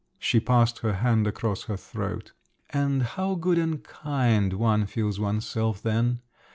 She passed her hand across her throat. "And how good and kind one feels oneself then!